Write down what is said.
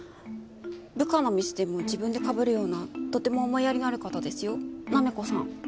部下のミスでも自分で被るようなとても思いやりのある方ですよなめこさん。